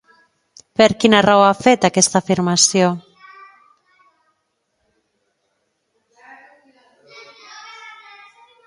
Per quina raó ha fet aquesta afirmació?